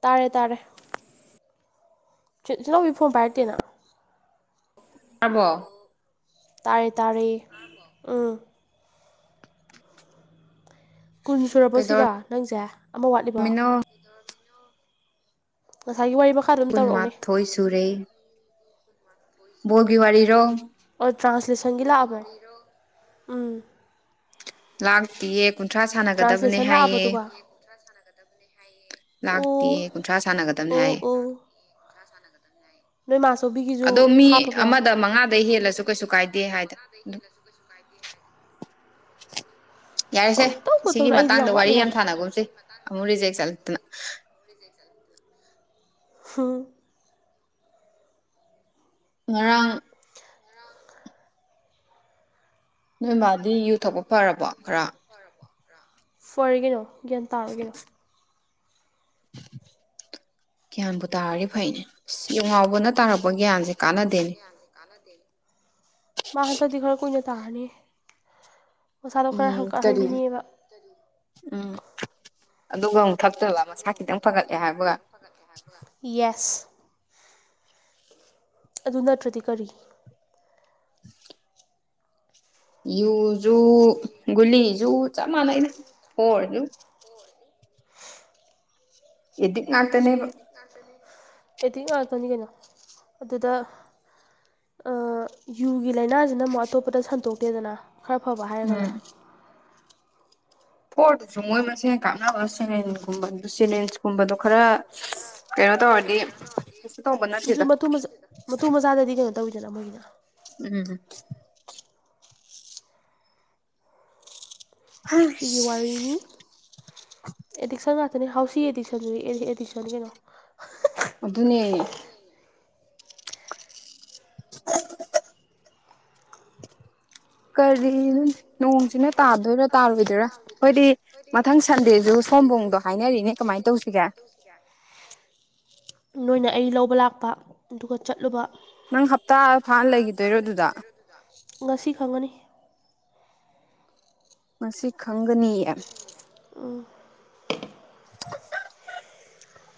ꯇꯥꯔꯦ ꯇꯥꯔꯦ ꯆꯤꯠꯍꯧꯕꯤ ꯐ‌ꯣꯟ ꯄꯥꯏꯔꯛꯇꯦꯅ ꯇꯥꯔꯕꯣ ꯇꯥꯔꯦ ꯇꯥꯔꯦ ꯇꯥꯔꯕ‌ꯣ ꯎꯝ ꯀꯨꯟ ꯁꯨꯔꯕꯣ ꯁꯤꯒ ꯅꯪꯁꯦ ꯑꯃ ꯋꯥꯠꯂꯤꯕꯣ [unintelligible] ꯉꯁꯥꯏꯒꯤ ꯋꯥꯔꯤ ꯃꯈꯥ ꯀꯨꯟꯃꯥꯊꯣꯏ ꯁꯨꯔꯦ ꯕ‌ꯣꯜꯒꯤ ꯋꯥꯔꯤꯔꯣ ꯑꯣ ꯇ꯭ꯔꯥꯟꯁꯂꯦꯁꯟꯒꯤ ꯂꯥꯛꯑꯕꯟ [unintelligible] ꯎꯝ ꯂꯥꯛꯇꯤꯌꯦ ꯀꯨꯟꯊ꯭ꯔꯥ ꯁꯥꯟꯅꯒꯗꯕꯅꯦ ꯍꯥꯏꯌꯦ ꯗꯕꯅꯦ ꯍꯥꯏꯌꯦ ꯂꯥꯛꯇꯤꯌ‌ꯦ ꯀꯨꯟꯊ꯭ꯔꯥ ꯁꯥꯟꯅꯒꯗꯕꯅꯦ ꯍꯥꯏꯌꯦ ꯑꯗꯣ ꯃꯤ ꯑꯃꯗ ꯃꯉꯥꯗꯩ ꯍꯦꯜꯂꯁꯨ ꯀꯩꯁꯨ ꯀꯥꯏꯗꯦ ꯍꯥꯏꯗ ꯗꯩ ꯍꯦꯜꯂꯁꯨ ꯀꯩꯁꯨ ꯀꯥꯏꯗꯦ ꯍꯥꯏ ꯌꯥꯔꯦꯁꯦ ꯁꯤꯒꯤ ꯃꯇꯥꯡꯗ ꯋꯥꯔꯤ ꯌꯥꯝ ꯁꯥꯟꯅꯒꯨꯝꯁꯤ ꯑꯃꯨꯛ ꯔꯤꯖꯦꯛ ꯆꯠꯂꯛꯇꯅ [unintelligible] [unintelligible] ꯉꯔꯥꯡ ꯅꯣꯏ ꯕꯥꯗꯤ ꯌꯨ ꯊꯛꯄ ꯐꯔꯕꯣ ꯈꯔ ꯐꯔꯕꫭ ꯈꯔ ꯐꯔꯦ ꯀꯩꯅꯣ ꯒ꯭ꯌꯥꯟ ꯇꯥꯔꯦ ꯀꯩꯅꯣ ꯒ꯭ꯌꯥꯟꯕꯨ ꯇꯥꯔꯗꯤ ꯐꯩꯅꯦ ꯏꯁ ꯌꯨꯉꯥꯎꯕꯅ ꯇꯥꯔꯛ ꯄꯅ ꯇꯥꯔꯛꯄ ꯒ꯭ꯌꯥꯟꯁ‌ꯦ ꯀꯥꯟꯅꯗꯦ ꯃꯥ ꯍꯟꯗꯛꯇꯤ ꯈꯔ ꯀꯨꯏꯅ ꯇꯥꯔꯅꯤ ꯃꯁꯥꯗꯣ ꯈꯔ ꯍꯪꯀꯠꯍꯟꯈꯤꯅꯤꯕ ꯎꯝ ꯑꯗꯨꯒ ꯑꯃꯨꯛ ꯊꯛꯇ‌ꯣꯏꯕ ꯃꯁꯥ ꯈꯤꯇꯪ ꯐꯒꯠꯂꯦ ꯍꯥꯏꯕꯒ ꯐꯒꯠꯂ‌ꯦ ꯍꯥꯏꯕꯒ ꯌꯦꯁ ꯑꯗꯨ ꯅꯠꯇ꯭ꯔꯗꯤ ꯀꯔꯤ [unintelligible] ꯌꯨꯖꯨ ꯒꯨꯂꯤꯖꯨ ꯆꯞ ꯃꯥꯟꯅꯩꯗ ꯐꯣꯔꯁꯨ ꯑꯦꯗꯤꯛ ꯉꯥꯛꯇꯅꯦꯕ ꯑꯦꯗꯤꯛ ꯉꯥꯛꯇꯅꯤ ꯀꯩꯅꯣ ꯑꯗꯨꯗ ꯌꯨꯒꯤ ꯂꯥꯏꯅꯥꯖꯤꯅ ꯑꯃꯨꯛ ꯑꯇꯣꯞꯄꯗ ꯁꯟꯇꯣꯛꯇꯦꯗꯅ ꯈꯔ ꯐꯕ ꯍꯥꯏꯔꯒꯅ ꯐꯣꯔꯗꯨꯁꯨ ꯃꯣꯏ ꯃꯁꯦꯟ ꯀꯥꯞꯅꯕ ꯁꯦꯔꯤꯟꯒꯨꯝꯕꯗꯨ ꯁ‌ꯦꯔꯤꯟꯁꯀꯨꯝꯕꯗꯨ ꯈꯔ ꯀꯩꯅ‌ꯣ ꯇꯧꯔꯗꯤ ꯑꯗꯨ ꯃꯇꯨ ꯃꯆꯥ ꯃꯇꯨ ꯃꯆꯥꯗꯗꯤ ꯀꯩꯅꯣ ꯇꯧꯋꯤꯗꯅ ꯃꯣꯏꯒꯤꯅ ꯎꯝ ꯑꯗꯨꯒꯤ ꯋꯥꯔꯤꯅꯤ ꯑꯦꯗꯤꯛꯁꯟ ꯉꯥꯛꯇꯅꯦ ꯍꯥꯎꯁꯤ ꯑꯦꯗꯤꯛꯁꯟꯁꯤꯁꯨ ꯑꯦꯗꯤ ꯑꯦꯗꯤꯛꯁꯟꯅꯤ ꯀꯩꯅꯣ ꯑꯗꯨꯅꯦ [unintelligible] ꯀꯔꯤꯅꯣ ꯅꯣꯡꯁꯤꯅ ꯇꯥꯗꯣꯏꯔꯥ ꯇꯥꯔꯣꯏꯗ‌ꯣꯏꯔꯥ ꯈ‌ꯣꯏꯗꯤ ꯃꯊꯪ ꯁꯟꯗꯦꯖꯨ ꯁꯑꯣꯝꯕꯨꯡꯗ‌ꯣ ꯍꯥꯏꯅꯔꯤꯅꯦ ꯀꯃꯥꯏꯟ ꯇꯧꯁꯤꯒꯦ ꯅꯣꯏꯅ ꯑꯩ ꯂꯧꯕ ꯂꯥꯛꯄ ꯑꯗꯨꯒ ꯆꯠꯂꯨꯕ ꯅꯪ ꯍꯞꯇꯥ ꯐꯥꯅ ꯂꯩꯒꯤꯗꯣꯏꯔꯣ ꯑꯗꯨꯗ ꯉꯁꯤ ꯈꯪꯒꯅꯤ ꯉꯁꯤ ꯈꯪꯒꯅꯤꯌꯦ ꯎꯝ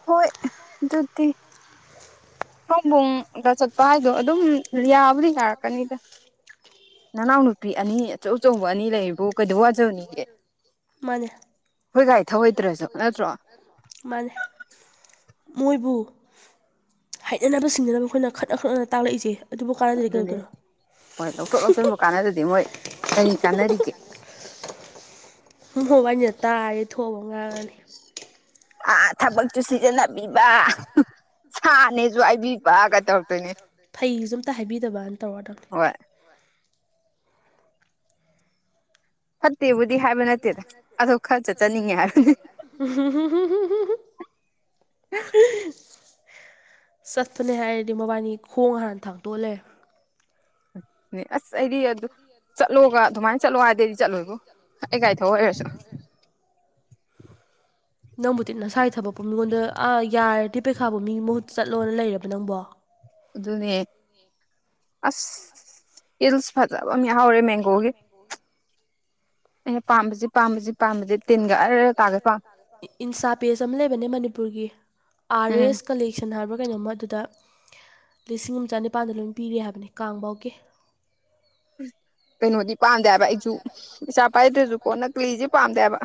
ꯍꯣꯏ ꯑꯗꯨꯗꯤ ꯁꯑꯣꯝꯕꯨꯡꯗ ꯆꯠꯄ ꯍꯥꯏꯗꯣ ꯑꯗꯨꯝ ꯌꯥꯕꯨꯗꯤ ꯌꯥꯔꯛꯀꯅꯤꯗ ꯅꯅꯥꯎ ꯅꯨꯄꯤ ꯑꯅꯤ ꯑꯆꯧ ꯑꯆꯧꯕ ꯑꯅꯤ ꯂꯩꯔꯤꯕꯨ ꯀꯩꯗꯧ ꯋꯥꯖꯔꯨꯅꯦꯒꯦ ꯍꯣꯏ ꯒꯥꯔꯤ ꯊꯧꯍꯩꯇ꯭ꯔꯖꯨ ꯅꯠꯇ꯭ꯔꯣ ꯃꯥꯅꯤ ꯃꯣꯏꯕꯨ ꯍꯩꯅꯅꯕ ꯁꯤꯡꯅꯅꯕ ꯑꯩꯈꯣꯏꯅ ꯈꯠꯅ ꯈꯠꯅꯅ ꯇꯥꯛꯂꯛꯏꯁꯦ ꯑꯗꯨꯅꯦ ꯍꯣꯏ ꯂꯧꯊꯣꯛ ꯂꯧꯁꯤꯟꯕꯧ ꯀꯥꯟꯅꯗꯗꯤ ꯃꯣꯏ ꯀꯔꯤ ꯀꯥꯟꯅꯔꯤꯒꯦ ꯎꯝ ꯍꯣ ꯑꯩꯅ ꯇꯥꯔꯗꯤ ꯊꯣꯛꯑꯕ ꯑꯝ ꯉꯥꯡꯉꯛꯑꯅꯤ ꯑꯥ ꯊꯕꯛꯁꯨꯨ ꯁꯤꯖꯤꯟꯅꯕꯤꯕ ꯁꯥꯅꯦꯁꯨ ꯍꯥꯏꯕꯤꯕꯒ ꯇꯧꯔꯛꯇꯣꯏꯅꯦ ꯐꯩꯁꯨ ꯑꯝꯇ ꯍꯥꯏꯕꯤꯗꯕꯅ ꯇꯧꯔꯗꯝꯅꯦ ꯍꯣꯏ ꯐꯠꯇꯦꯕꯨꯗꯤ ꯍꯥꯏꯕ ꯅꯠꯇꯦ ꯑꯗꯣ ꯈ ꯆꯠꯆꯅꯤꯡꯉꯦ ꯍꯥꯏꯕꯋꯥꯅꯦ ꯎꯍꯨꯝ ꯍꯝꯍꯝꯍꯝꯍꯝꯍꯝ [unintelligible] ꯆꯠꯄꯅꯦ ꯍꯥꯏꯔꯗꯤ ꯃꯕꯥꯅꯤ ꯈꯣꯡ ꯍꯥꯟꯅ ꯊꯥꯡꯇꯣꯛꯑ ꯂꯩꯔꯝꯅꯦ ꯅꯦ ꯑꯁ ꯑꯩꯗꯤ ꯑꯗꯨꯝ ꯆꯠꯂꯣꯒ ꯑꯗꯨꯃꯥꯏꯅ ꯆꯠꯂꯣ ꯍꯥꯏꯗꯤ ꯑꯩꯗꯤ ꯆꯠꯂꯣꯏꯕꯣ ꯑꯩ ꯒꯥꯔꯤ ꯊꯧ ꯍꯩꯔꯁꯨ ꯅꯪꯕꯨꯗꯤ ꯅꯁꯥꯒꯤ ꯊꯕꯛꯄ ꯃꯤꯉꯣꯟꯗ ꯑꯥ ꯌꯥꯔꯗꯤ ꯄꯩꯈꯥꯕ ꯃꯤ ꯃꯍꯨꯠ ꯆꯠꯂꯣꯅ ꯂꯩꯔꯕ ꯅꯪꯕꯣ ꯑꯗꯨꯅꯦ ꯑꯁ ꯏꯜꯁ ꯐꯖꯕ ꯑꯃ ꯌꯥꯎꯍꯧꯔꯦ ꯃꯦꯡꯒꯣꯒꯤ ꯑꯦ ꯄꯥꯝꯕꯁꯤ ꯄꯥꯝꯕꯁꯤ ꯄꯥꯝꯕꯁꯤ ꯇꯤꯟꯒ ꯑꯔ ꯇꯥꯒꯩ ꯄꯥꯃꯦ ꯏꯟꯁꯇꯥꯄꯦꯖ ꯑꯃ ꯂꯩꯕꯅꯦ ꯃꯅꯤꯄꯨꯔꯒꯤ ꯑꯥꯔ ꯑꯦꯁ ꯀꯂꯦꯛ ꯑꯦꯛꯁꯟ ꯍꯥꯏꯕ꯭ꯔꯥ ꯀꯩꯅꯣꯝꯃ ꯑꯗꯨꯗ ꯂꯤꯁꯤꯡ ꯑꯃ ꯆꯅꯤꯄꯥꯥꯟꯗ ꯂꯣꯏꯅ ꯄꯤꯔꯤ ꯍꯥꯏꯕꯅꯤ ꯀꯥꯡꯐꯥꯎꯒꯤ ꯀꯩꯅꯣꯗꯤ ꯄꯥꯝꯗꯦ ꯍꯥꯏꯕ ꯑꯩꯁꯨ ꯄꯩꯁꯥ ꯄꯥꯏꯗ꯭ꯔꯁꯨ ꯀꯣ ꯅꯀꯂꯤꯁꯦ ꯄꯥꯝꯗꯦ ꯍꯥꯏꯕ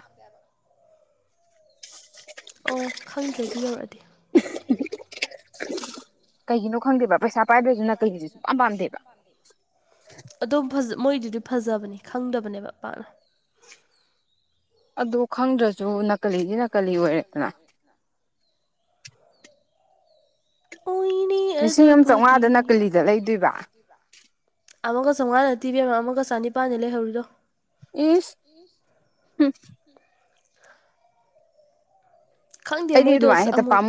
ꯑꯣ ꯈꯪꯗ꯭ꯔꯦ ꯑꯗꯨ ꯌꯧꯔꯛꯑꯗꯤ ꯀꯒꯤꯅꯣ ꯈꯪꯗꯦꯕ ꯄꯩꯁꯥ ꯄꯥꯏꯗꯣꯏꯁꯨꯅ ꯀꯩꯒꯤꯁꯦ ꯁꯨꯡ ꯄꯝ ꯄꯥꯝꯗꯦꯕ ꯑꯗꯨꯝ ꯃꯣꯏꯗꯨꯗꯤ ꯐꯖꯕꯅꯤ ꯈꯪꯗꯕꯅꯦꯕ ꯄꯥꯛꯅ ꯑꯗꯣ ꯈꯪꯗ꯭ꯔꯁꯨ ꯅꯥꯀꯂꯤꯗꯤ ꯅꯥꯀꯂꯤ ꯑꯣꯏꯔꯦꯗꯅ ꯂꯤꯁꯤꯡ ꯑꯃ ꯆꯥꯝꯃꯉꯥꯗ ꯅꯥꯀꯂꯤꯗ ꯂꯩꯗꯣꯏꯕ ꯑꯃꯛꯒ ꯆꯝꯉꯥ ꯅꯠꯇꯦ ꯏꯕꯦꯝꯃ ꯑꯃꯒ ꯆꯥꯅꯤꯄꯥꯟꯅꯦ ꯂꯩꯍꯧꯔꯤꯗꯣ ꯏꯁ ꯍꯝ ꯈꯪꯗꯦ ꯃꯣꯏ ꯗꯣ ꯑꯁ ꯑꯃꯨꯛ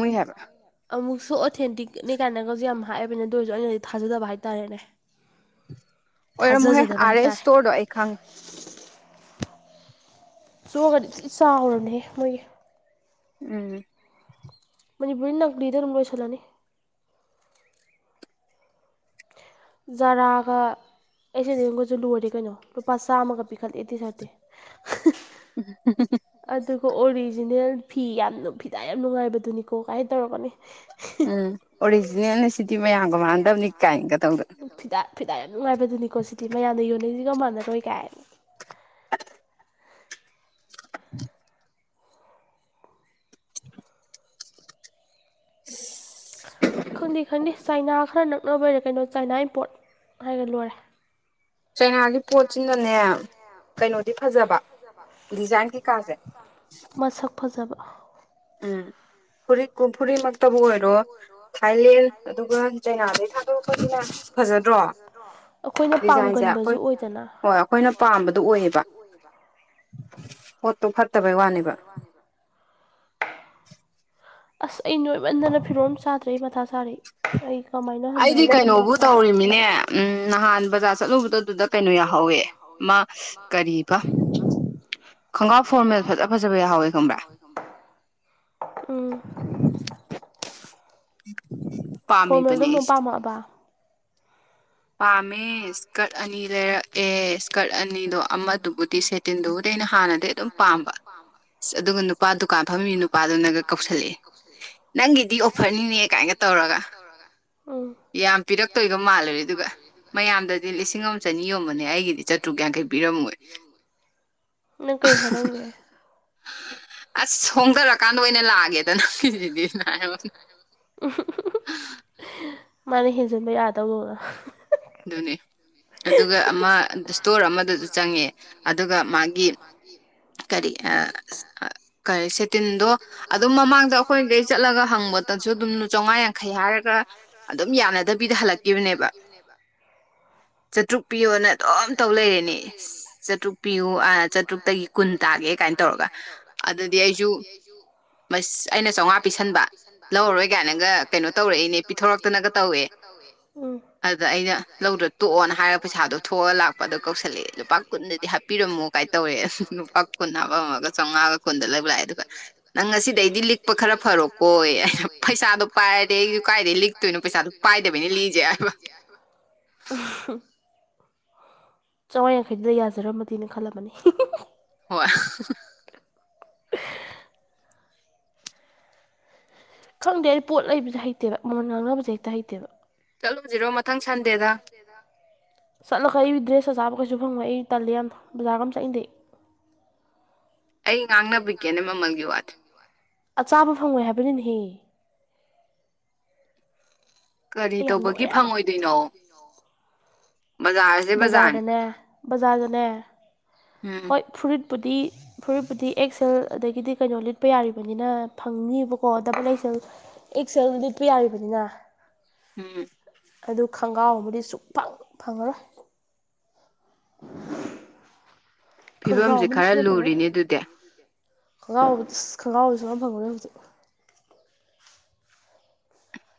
ꯑꯃꯨꯛꯁꯨ ꯑꯣꯊꯦꯟꯇꯤꯀꯦꯠꯅꯤ ꯀꯥꯏꯅꯒꯁꯨ ꯌꯥꯝ ꯍꯥꯏꯕꯅꯦ ꯑꯗꯨ ꯑꯣꯏꯔꯁꯨ ꯑꯩꯅꯗꯤ ꯊꯥꯖꯗꯕ ꯍꯥꯏꯇꯥꯔꯦꯅꯦ [inaudible] ꯑꯣꯏꯔꯝꯃꯣꯏꯍꯦ ꯑꯥꯔ ꯑꯦꯁ ꯏꯁ꯭ꯇꯣꯔꯗꯣ ꯑꯩ ꯈꯪꯉꯦ ꯆꯣꯒꯗꯤ ꯊꯤꯆꯥꯎꯔꯝꯅꯦ ꯃꯣꯏꯒꯤ ꯎꯝ ꯃꯅꯤꯄꯨꯔꯗꯤ ꯅꯥꯛꯀꯂꯤꯗ ꯑꯗꯨꯝ ꯂꯣꯏꯁꯜꯂꯅꯤ ꯖꯥꯔꯥꯒ ꯑꯩꯁꯑꯦꯟꯑꯦꯝꯒꯁꯨ ꯂꯣꯏꯔꯦ ꯀꯩꯅꯣ ꯂꯨꯄꯥ ꯆꯥꯝꯃꯒ ꯄꯤꯈꯠꯂꯛꯑꯦ ꯇꯤ ꯁꯥꯔꯠꯇꯤ [unintelligible] ꯍꯃ ꯍꯃ [unintelligible] ꯑꯗꯨꯒ ꯑꯣꯔꯤꯖꯤꯅꯦꯜ ꯐꯤ ꯌꯥꯝ ꯐꯤꯗꯥ ꯌꯥꯝ ꯅꯨꯡꯉꯥꯏꯕꯗꯨꯅꯤꯀꯣ ꯀꯥꯏꯅ ꯇꯧꯔꯛꯀꯅꯤ ꯎꯝ ꯑꯣꯔꯤꯖꯤꯅꯦꯜꯅ ꯁꯤꯗꯤ ꯃꯌꯥꯝꯒ ꯃꯥꯟꯅꯗꯕꯅꯤ ꯀꯥꯏꯅꯒꯗꯧꯗꯅ ꯐꯤꯗꯥ ꯌꯥꯝ ꯅꯨꯡꯉꯥꯏꯕꯗꯨꯅꯤꯀꯣ ꯁꯤꯗꯤ ꯃꯌꯥꯝꯅ ꯌꯣꯟꯅꯔꯤꯁꯤꯒ ꯃꯥꯟꯅꯔꯣꯏ ꯀꯥꯏ ꯍꯥꯏ [unintelligible] ꯈꯪꯗꯦ ꯈꯪꯗꯦ ꯆꯥꯏꯅꯥ ꯈꯔ ꯅꯛꯅꯕꯔꯦ ꯀꯩꯅꯣ ꯆꯥꯏꯅꯥ ꯏꯝꯄꯣꯔꯠ ꯍꯥꯏꯔꯒ ꯂꯣꯏꯔꯦ ꯆꯩꯅꯥꯒꯤ ꯄꯣꯠꯁꯤꯅꯅꯦꯒꯤ ꯐꯖꯕ ꯗꯤꯖꯥꯏꯟ ꯃꯁꯛ ꯐꯖꯕ ꯎꯝ ꯐꯨꯔꯤ ꯐꯨꯔꯤꯃꯛꯇꯕꯨ ꯑꯣꯏꯔꯣ ꯊꯥꯏꯂꯦꯟ ꯑꯗꯨꯒ ꯆꯩꯅꯥꯗꯒꯤ ꯊꯥꯗꯣꯔꯛꯄꯁꯤꯅ ꯐꯖꯗ꯭ꯔꯣ ꯗꯤꯖꯥꯏꯟꯁꯦ ꯑꯩꯈꯣꯏ ꯍꯣꯏ ꯑꯩꯈꯣꯏꯅ ꯄꯥꯝꯕꯗꯨꯣ ꯑꯣꯏꯌꯦꯕ ꯄꯣꯠꯇꯣ ꯐꯠꯇꯕꯩ ꯋꯥꯅꯦꯕ [unintelligible] ꯑꯁ ꯑꯩ ꯅꯣꯏꯃꯟꯗꯅ ꯐꯤꯔꯣꯟ ꯑꯝꯇ ꯆꯥꯗ꯭ꯔꯦ ꯃꯊꯥ ꯁꯥꯥꯔꯦ ꯑꯩ ꯑꯩ ꯀꯃꯥꯏꯅ ꯍꯟꯊꯍꯟꯒꯗꯕꯅꯣ ꯈꯗꯔꯦ ꯍꯧꯋꯦ ꯃꯥ ꯀꯔꯤꯕ ꯈꯉꯥꯎ ꯐꯣꯔꯃꯦꯟ ꯐꯖ ꯐꯖꯕ ꯌꯥꯎꯍꯧꯋꯦ ꯎꯝ ꯄꯥꯃꯤꯕꯅꯤ ꯑꯩꯁꯨ [unintelligible] ꯄꯥꯝꯃꯦ ꯏꯁꯀꯠ ꯑꯅꯤ ꯂꯩꯔꯛ ꯑꯦ ꯏꯁꯀꯔꯠ ꯑꯅꯤꯗꯣ ꯑꯃꯗꯨꯕꯨꯗꯤ ꯁꯦꯇꯤꯟꯗꯨꯕꯨꯗꯤ ꯑꯩꯅ ꯍꯥꯟꯅꯗꯩ ꯑꯗꯨꯝ ꯄꯥꯝꯕ ꯑ ꯑꯗꯨꯒ ꯅꯨꯄꯥ ꯗꯨꯀꯥꯟ ꯐꯝꯃꯤ ꯅꯨꯄꯥꯗꯨꯅꯒ ꯀꯧꯁꯜꯂꯛꯑꯦ ꯅꯪꯒꯤꯗꯤ ꯑꯣꯐꯔꯅꯤꯅꯦ ꯀꯥꯏꯅꯒ ꯇꯧꯔꯒ ꯌꯥꯝ ꯄꯤꯔꯛꯇꯣꯏꯒ ꯃꯥꯜꯂꯨꯔꯦ ꯑꯗꯨꯒ ꯃꯌꯥꯝꯗꯗꯤ ꯂꯤꯁꯤꯡ ꯑꯃ ꯆꯅꯤ ꯌꯣꯟꯕꯅꯦ ꯑꯩꯒꯤꯗꯤ ꯆꯇ꯭ꯔꯨꯛ ꯌꯥꯡꯈꯩ ꯅꯪ ꯀꯩ ꯍꯥꯏꯔꯝꯒꯦ ꯑꯁ ꯍꯣꯡꯗꯔꯀꯥꯟꯗ ꯑꯣꯏꯅ ꯂꯥꯛꯑꯒꯦꯗꯅ ꯅꯪꯒꯤꯖꯤꯗꯤꯅ ꯍꯥꯏꯔꯝ__ [unintelligible] ꯃꯥꯅ ꯍꯦꯟꯖꯤꯟꯕ ꯌꯥꯗꯧ ꯗꯨꯅꯤ ꯑꯗꯨꯒ ꯑꯃ ꯏꯁꯇꯣꯔ ꯑꯃꯗꯁꯨ ꯆꯪꯉꯦ ꯑꯗꯨꯒ ꯃꯥꯒꯤ ꯀꯔꯤ ꯑ ꯏꯁ ꯀꯔꯤ ꯁꯦ ꯇꯤꯟꯗꯣ ꯑꯗꯨꯝ ꯃꯃꯥꯡꯗ ꯑꯩꯈꯣꯏꯒꯩ ꯆꯠꯂꯒ ꯍꯪꯕ ꯇꯥꯁꯨ ꯑꯗꯨꯝ ꯆꯧꯉꯥ ꯌꯥꯡꯈꯩ ꯍꯥꯏꯔꯒ ꯍꯥꯏꯔꯒ ꯑꯗꯨꯝ ꯌꯥꯅꯗꯕꯤꯗ ꯍꯜꯂꯛꯈꯤꯕꯅꯦꯕ ꯆꯥꯇ꯭ꯔꯨꯛ ꯄꯤꯌꯣꯅ ꯑꯗꯨꯝ ꯇꯧ ꯂꯩꯔꯦꯅꯦ ꯆꯥꯇ꯭ꯔꯨꯛ ꯄꯤꯌꯨ ꯑꯥ ꯆꯥꯇ꯭ꯔꯨꯛꯇꯒꯤ ꯀꯨꯟ ꯇꯥꯒꯦ ꯀꯥꯏꯅ ꯇꯧꯔꯒ ꯑꯗꯗꯤ ꯑꯩꯁꯨ [inaudible] ꯑꯩꯅ ꯆꯧꯉꯥ ꯄꯤꯁꯟꯕ ꯂꯧꯔꯔꯣꯏ ꯀꯥꯏꯅꯒ ꯀꯩꯅꯣ ꯇꯧꯔꯛꯏꯅꯦ ꯄꯤꯊꯣꯔꯛꯇꯅꯒ ꯇꯧꯋꯦ ꯑꯗꯨꯗ ꯑꯩꯅ ꯂꯧꯗꯔ ꯇꯣꯛꯑꯣꯅ ꯍꯥꯏꯔ ꯄꯩꯁꯥꯗꯣ ꯊꯣꯛꯑ ꯂꯥꯛꯄ ꯑꯗꯣ ꯀꯧꯁꯜꯂꯛꯑꯦ ꯂꯨꯄꯥ ꯀꯨꯟꯗꯗꯤ ꯍꯥꯞꯄꯤꯔꯝꯃꯣ ꯀꯥꯏ ꯇꯧꯔꯦ ꯂꯨꯄꯥ ꯀꯨꯟ ꯍꯥꯞꯄꯥꯝꯃꯒꯥ ꯆꯧꯉꯥꯒꯥ ꯀꯨꯟꯗ ꯂꯧꯕ ꯂꯥꯛꯑꯦ ꯑꯗꯨꯒ ꯅꯪ ꯉꯁꯤꯗꯩꯗꯤ ꯂꯤꯛꯄ ꯈꯔ ꯐꯔꯣꯀꯣꯌꯦ ꯑꯩꯅ ꯄꯩꯁꯥꯗꯣ ꯄꯥꯏꯔꯗꯤ ꯑꯩꯁꯨ ꯀꯥꯏꯗꯩ ꯂꯤꯛꯇꯣꯏꯅꯣ ꯄꯩꯁꯥꯗꯣ ꯄꯥꯏꯗꯕꯅꯤ ꯂꯤꯛꯏꯖꯦ ꯍꯥꯏꯕ [unintelligible] ꯆꯧꯉꯥ ꯌꯥꯡꯈꯩꯗꯨꯗ ꯌꯥꯖꯔꯝꯃꯗꯤꯅ ꯈꯜꯂꯝꯃꯥꯅꯤ ꯍꯣꯏ ꯈꯪꯗꯦ ꯑꯩ ꯄꯣꯠ ꯂꯩꯕꯁꯦ ꯍꯩꯇꯦꯕ ꯃꯃꯟ ꯉꯥꯡꯅꯕꯁꯦ ꯍꯦꯛꯇ ꯍꯩꯇꯦꯕ ꯆꯠꯂꯨꯁꯤꯔꯣ ꯃꯊꯪ ꯁꯟꯗꯦꯗ ꯆꯠꯂ ꯑꯩ ꯗ꯭ꯔꯦꯁ ꯑꯆꯥꯥꯕ ꯀꯩꯁꯨ ꯐꯪꯉꯣꯏ ꯑꯩ ꯇꯜꯂꯦ ꯌꯥꯝꯅ ꯕꯖꯥꯔꯒ ꯑꯝ ꯆꯠꯅꯤꯡꯗꯦ ꯑꯩ ꯑꯩ ꯉꯥꯡꯅꯕꯤꯒꯦꯅꯦ ꯃꯃꯜꯒꯤ ꯋꯥꯗꯤ ꯑꯆꯥꯕ ꯐꯪꯉꯣꯏ ꯍꯥꯏꯕꯅꯤꯅꯦꯍꯦ ꯀꯔꯤ ꯇꯧꯕꯒꯤ ꯐꯪꯉꯣꯏꯗꯣꯏꯅꯣ ꯕꯖꯥꯔꯗꯅꯦ ꯕꯖꯥꯔꯗꯅꯦ ꯍꯣꯏ ꯐꯨꯔꯤꯠꯄꯨꯗꯤ ꯐꯨꯔꯤꯠꯄꯨꯗꯤ ꯑꯦꯛꯁꯦꯜ ꯑꯗꯒꯤꯗꯤ ꯀꯩꯅꯣ ꯂꯤꯠꯄ ꯌꯥꯔꯤꯕꯅꯤꯅ ꯐꯪꯅꯤꯕꯀꯣ ꯗꯕꯜ ꯑꯦꯛꯁꯦꯜ ꯑꯦꯛ ꯁꯦꯜ ꯂꯤꯠꯄ ꯌꯥꯔꯤꯕꯅꯤꯅ ꯎꯝ ꯑꯗꯨ ꯈꯣꯡꯒ꯭ꯎ ꯑꯃꯗꯤ ꯁꯨꯛꯐꯪ ꯐꯪꯉꯔꯣꯏ ꯈꯪꯒꯥꯎ ꯑꯃꯗꯤ ꯁꯨꯐꯪ ꯐꯪꯉꯔꯣꯏ ꯈꯉꯎꯕꯨꯗꯤ ꯏꯁ ꯈꯉꯥꯎꯗꯤ ꯁꯨꯡ ꯐꯪ ꯐꯪꯉꯔꯣꯏ ꯍꯧꯖꯤꯛ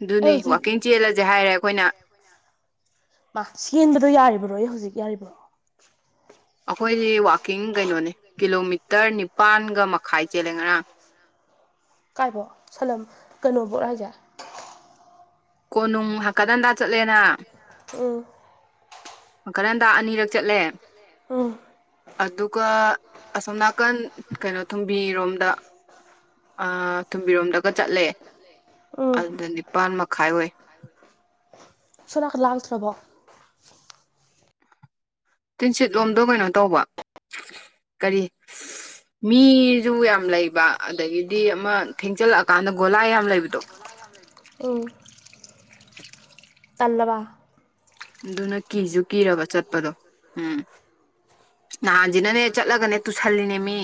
ꯑꯗꯨꯅꯤ ꯋꯥꯛꯀꯤꯡ ꯆꯦꯜꯂꯖꯦ ꯍꯥꯏꯔꯦ ꯑꯩꯈꯣꯏꯅ ꯃꯥ ꯆꯦꯟꯕꯗꯣ ꯌꯥꯔꯤꯕ꯭ꯔꯣ ꯑꯩ ꯍꯧꯖꯤꯛ ꯌꯥꯔꯤꯕꯣ ꯑꯩꯈꯣꯏꯗꯤ ꯋꯥꯛꯀꯤꯡ ꯀꯩꯅꯣꯅꯦ ꯀꯤꯂꯣꯃꯤꯇꯔ ꯅꯤꯄꯥꯟꯒ ꯃꯈꯥꯏ ꯆꯦꯜꯂꯦ ꯉꯔꯥꯡ ꯀꯥꯏꯕꯧ ꯁꯂꯝ ꯀꯩꯅꯣꯕꯧꯔꯥ ꯍꯥꯏꯖꯦ ꯀꯣꯅꯨꯡ ꯍꯪꯀꯠ ꯍꯟꯗꯥ ꯆꯠꯂꯦꯅ ꯎꯝ ꯈꯔꯟꯗꯥ ꯑꯅꯤꯔꯛ ꯆꯠꯂꯦ ꯑꯥ ꯑꯗꯨꯒ ꯑꯁꯣꯝ ꯅꯥꯀꯟ ꯀꯩꯅꯣ ꯊꯨꯝꯕꯤꯔꯣꯝꯗ ꯇꯨꯝꯕꯤꯔꯣꯝꯗꯒ ꯆꯠꯂꯦ ꯑꯗꯨꯗ ꯅꯤꯄꯥꯜ ꯃꯈꯥꯏ ꯑꯣꯏ ꯁꯅꯥ ꯂꯥꯛꯇ꯭ꯔꯕꯣ ꯇꯤꯟꯁꯤꯠꯂꯣꯝꯗꯣ ꯀꯩꯅꯣ ꯇꯧꯕ ꯀꯔꯤ ꯃꯤꯁꯨ ꯌꯥꯝ ꯂꯩꯕ ꯑꯗꯒꯤꯗꯤ ꯑꯃ ꯊꯦꯡꯆꯜꯂꯛꯑꯀꯥꯟꯗ ꯒꯣꯂꯥ ꯌꯥꯝ ꯂꯩꯕꯗꯣ ꯑꯣ ꯇꯜꯂꯕ ꯑꯗꯨꯅ ꯀꯤꯁꯨ ꯀꯤꯔꯕ ꯆꯠꯄꯗꯣ ꯎꯝ ꯅꯍꯥꯟꯁꯤꯅꯅꯦ ꯆꯠꯂꯒꯅꯦ ꯇꯨꯁꯜꯂꯤꯅꯦ ꯃꯤ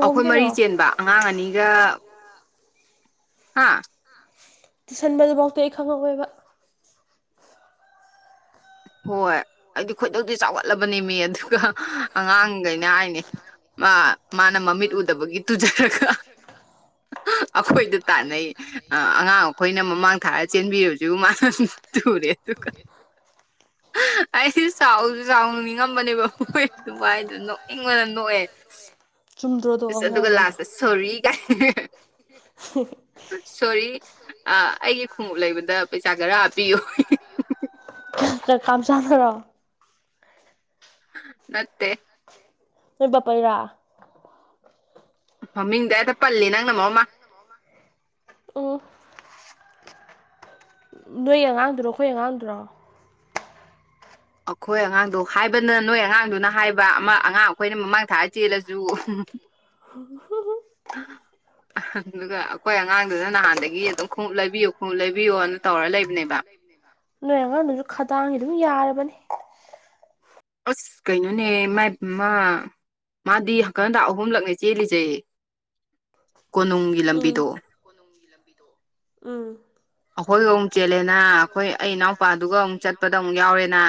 ꯑꯩꯈꯣꯏ ꯃꯔꯤ ꯆꯦꯟꯕ ꯑꯉꯥꯡ ꯑꯅꯤꯒ ꯍꯥ ꯇꯨꯁꯟꯕꯗꯨꯐꯥꯎꯗ ꯑꯩ ꯈꯪꯍꯧꯦꯕ ꯍꯣꯏ ꯑꯩꯗꯤ ꯈꯣꯏꯗꯧꯗꯤꯤ ꯆꯥꯎꯈꯠꯂꯕꯅꯤ ꯃꯤ ꯑꯗꯨꯒ ꯑꯉꯥꯡꯈꯩꯅ ꯍꯥꯏꯅꯤ ꯃꯥ ꯃꯥꯅ ꯃꯃꯤꯠ ꯎꯗꯕꯒꯤ ꯇꯨꯖꯔꯒ ꯑꯩꯈꯣꯏꯗ ꯇꯥꯟꯅꯩ ꯑ ꯑꯉꯥꯡ ꯑꯩꯈꯣꯏꯅ ꯃꯃꯥꯡ ꯊꯥꯔ ꯆꯦꯟꯕꯤꯁꯤꯒ ꯃꯥꯅ ꯇꯨꯔꯦ ꯑꯗꯨꯒ ꯑꯩꯁ ꯆꯥꯎꯁꯨ ꯆꯥꯎꯅꯤꯡꯉꯝꯕꯅꯦꯕ ꯍꯣꯏ ꯑꯗꯨꯃꯥꯏꯗꯣ ꯅꯣꯛꯅꯤꯡꯕꯅ ꯅꯣꯛꯑꯦ ꯑꯗꯨꯒ ꯂꯥꯁꯇ ꯁꯣꯔꯤ ꯀꯥꯏ [inaudible] ꯁꯣꯔꯤ ꯑꯩꯒꯤ ꯈꯣꯡꯎꯞ ꯂꯩꯕꯗ ꯄꯩꯁꯥ ꯈꯔ ꯍꯥꯞꯄꯤꯌꯣ ꯀꯥꯝ ꯆꯥꯅꯔꯣ ꯃꯠꯇꯦ ꯐ ꯄꯜ ꯔꯥ ꯃꯃꯤꯡꯗ ꯍꯦꯛꯇ ꯄꯜꯜꯂꯤꯦ ꯅꯪꯅ ꯃꯃꯥ ꯅꯣꯏ ꯑꯉꯥꯡꯗꯨꯔꯣ ꯑꯩꯈꯣꯏ ꯑꯉꯥꯡꯗꯨꯔꯣ ꯑꯩꯈꯣꯏ ꯑꯉꯥꯡꯗꯣ ꯍꯥꯏꯕꯅ ꯅꯣꯏ ꯑꯉꯥꯡꯗꯨꯅ ꯍꯥꯏꯕ ꯑꯃ ꯑꯉꯥꯡ ꯑꯩꯈꯣꯏꯅ ꯃꯃꯥꯡ ꯊꯥꯔ ꯆꯦꯜꯂꯁꯨ ꯍ ꯑꯗꯨꯒ ꯑꯩꯈꯣꯏ ꯑꯉꯥꯡꯗꯨꯅ ꯅꯍꯥꯟꯗꯒꯤ ꯑꯗꯨꯝ ꯈꯣꯡꯎꯞ ꯂꯩꯕꯤꯌꯨ ꯈꯣꯡꯎꯞ ꯂꯩꯕꯤꯌꯣꯅ ꯇꯧꯔ ꯂꯩꯕꯅꯦꯕ ꯅꯈꯣꯏ ꯑꯉꯥꯡꯗꯨꯁꯨ ꯈꯗꯥꯡꯁ ꯑꯗꯨꯝ ꯌꯥꯔꯕꯅꯤ ꯑꯁ ꯀꯩꯅꯣꯅꯦ ꯃꯥꯏꯃ ꯃꯥꯗꯤ ꯍꯪꯀꯟꯗ ꯑꯍꯨꯝꯂꯛꯅꯦ ꯆꯦꯜꯂꯤꯁꯩ ꯀꯣꯅꯨꯡꯒꯤ ꯂꯝꯕꯤꯗꯣ ꯂꯝꯕꯤꯗꯣ ꯎꯝ ꯑꯩꯈꯣꯏꯒ ꯑꯃꯨꯛ ꯆꯦꯜꯂꯦꯅ ꯑꯩꯈꯣꯏ ꯑꯩ ꯏꯅꯥꯎꯄꯥꯗꯨꯒ ꯑꯃꯨꯛ ꯆꯠꯄꯗ ꯑꯃꯨꯛ ꯌꯥꯎꯔꯦꯅ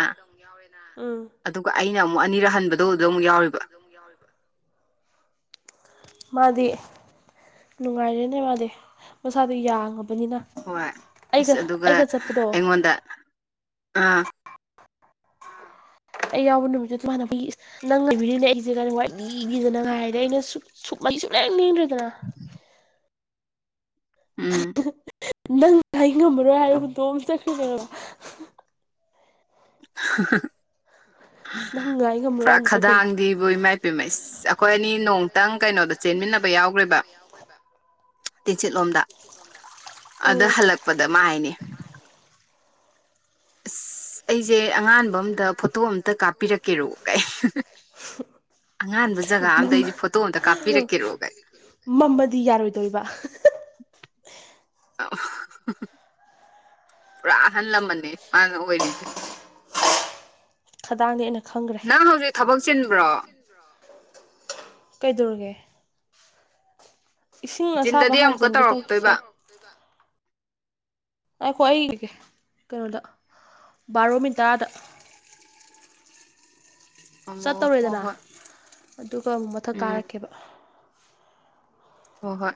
ꯎꯝ ꯑꯗꯨꯒ ꯑꯩꯅ ꯑꯃꯨꯛ ꯑꯅꯤꯔ ꯍꯟꯕꯗꯗꯣ ꯑꯃꯨꯛ ꯌꯥꯎꯔꯤꯕ [inaudible] ꯃꯥꯗꯤ ꯅꯨꯡꯉꯥꯏꯔꯦꯅꯦ ꯃꯥꯗꯤ ꯃꯁꯥꯗꯣ ꯌꯥꯡꯉꯕ ꯍꯣꯏ ꯑꯁ ꯑꯗꯨꯒ ꯑꯩꯉꯣꯟꯗ ꯑꯥ ꯑꯩ ꯌꯥꯎꯕ ꯅꯨꯃꯤꯠꯇꯨ ꯑꯗꯨꯣ ꯍꯥꯟꯅꯒꯤ ꯅꯪ ꯂꯩꯕꯤꯔꯤꯅꯦ ꯑꯩꯁꯦ ꯀꯔꯤ ꯋꯥꯏ ꯂꯤꯈꯤꯗꯅꯉꯥꯏ ꯍꯥꯏꯔꯗꯤꯦ ꯑꯩꯅ ꯁꯨꯛ ꯁꯨꯡ ꯃꯍꯤꯤꯁ ꯂ ꯂꯗꯦꯗꯅ ꯎꯝ ꯅꯪ ꯑꯩ ꯉꯝꯃꯔꯣꯏ ꯍꯥꯏꯔꯕꯨꯗꯣꯡ ꯆꯠꯈ꯭ꯗ ꯄꯨꯔꯥ ꯈꯗꯥꯡꯗꯤ ꯕꯨ ꯏꯃꯥꯏ ꯏ ꯄꯤꯃꯩꯁ ꯑꯩꯈꯣꯏ ꯑꯅꯤ ꯅꯣꯡꯇꯪ ꯀꯩꯅꯣꯗ ꯆꯦꯟꯃꯤꯟꯅꯕ ꯌꯥꯎꯈ꯭ꯔꯦꯕ ꯇꯤꯟꯆꯤꯠꯂꯣꯝꯗ ꯑꯗ ꯍꯜꯂꯛꯄꯗ ꯃꯥ ꯍꯥꯏꯅꯤ ꯑꯁ ꯑꯩꯁꯦ ꯑꯉꯥꯟꯕ ꯑꯝꯗ ꯐꯣꯇꯣ ꯑꯝꯇ ꯀꯥꯞꯄꯤꯔꯛꯀꯦꯔꯣ ꯀꯩ ꯑꯉꯥꯟꯕ ꯖꯒꯥ ꯑꯝꯗ ꯑꯩꯗꯤ ꯐꯣꯇꯣ ꯑꯝꯇ ꯀꯥꯞꯄꯤꯔꯛꯀꯦꯔꯣꯒꯅ ꯑ ꯄꯨꯔꯥ ꯑꯍꯜ ꯂꯃꯟꯅꯤ ꯍꯥꯟꯅ ꯑꯣꯏꯔꯤꯁꯦ ꯈꯗꯥꯡꯗꯤ ꯑꯩꯅ ꯈꯪꯈ꯭ꯔꯦ ꯊꯕꯛ ꯆꯤꯟꯕ꯭ꯔꯣ ꯀꯩꯗꯧꯔꯒꯦ ꯏꯁꯤꯡ ꯑꯁꯥꯕ ꯍꯥꯟꯖꯟꯒꯦ ꯇꯧꯦ ꯁ ꯑꯩꯈꯣ ꯑꯩꯒꯤꯒ ꯀꯩꯅꯣꯗ ꯕꯥꯔꯣ ꯃꯤꯟꯇꯥꯔꯗ ꯑꯣ ꯍꯣ ꯍꯣꯏ ꯑꯗꯨꯒ ꯑꯃꯨꯛ ꯃꯊꯛ ꯀꯥꯔꯛꯀꯦꯕ ꯍꯣꯏ ꯍꯣꯏ